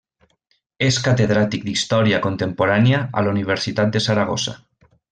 És catedràtic d'Història Contemporània a la Universitat de Saragossa.